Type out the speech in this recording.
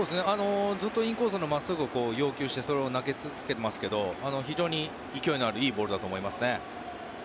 ずっとインコースの真っすぐを要求してそれを投げ続けてますけど非常に勢いのあるいいボールだと思いますね。